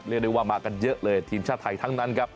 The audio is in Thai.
เรียกได้ว่ามากันเยอะเลยทีมชาติไทยทั้งนั้นครับ